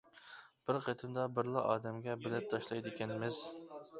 بىر قېتىمدا بىرلا ئادەمگە بىلەت تاشلايدىكەنمىز.